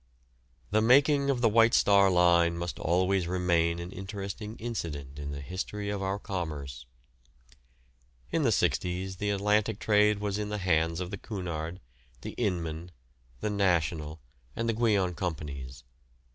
The "making" of the White Star Line must always remain an interesting incident in the history of our commerce. In the 'sixties the Atlantic trade was in the hands of the Cunard, the Inman, the National, and the Guion Companies.